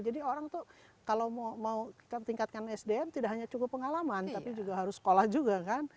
jadi orang tuh kalau mau tingkatkan sdm tidak hanya cukup pengalaman tapi juga harus sekolah juga kan